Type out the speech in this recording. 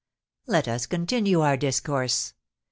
Let us continue our discourse.